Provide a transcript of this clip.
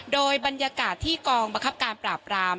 โดยบรรยากาศที่กองบังคับการปราบราม